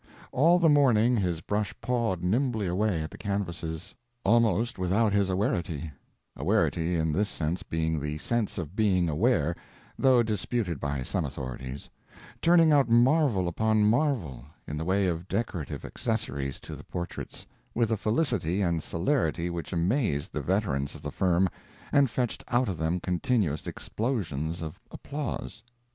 All the morning his brush pawed nimbly away at the canvases, almost without his awarity—awarity, in this sense being the sense of being aware, though disputed by some authorities—turning out marvel upon marvel, in the way of decorative accessories to the portraits, with a felicity and celerity which amazed the veterans of the firm and fetched out of them continuous explosions of applause.